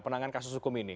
penanganan kasus hukum ini